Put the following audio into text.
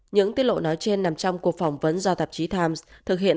những tiết lộ nói trên nằm trong cuộc phỏng vấn do tạp chí times thực hiện